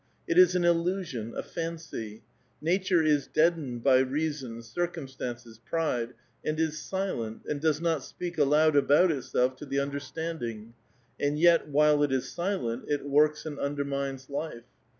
It is an illusion, a fancy. Nature is deadened by reason, circumstances, pride, and is client, and does not speak aloud about itself to the under standing ; and yet while it is silent, it works and undermines life.